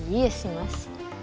iya sih mas